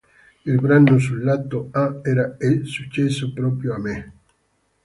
Il brano sul lato A era "È successo proprio a me".